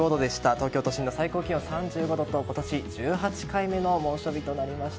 東京都心の最高気温は３５度と今年１８回目の猛暑日となりました。